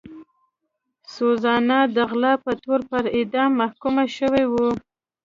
سوزانا د غلا په تور پر اعدام محکومه شوې وه.